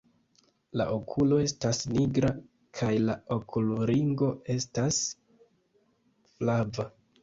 La okulo estas nigra kaj la okulringo estas flava.